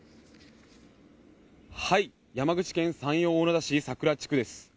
山口県山陽小野田市桜地区です。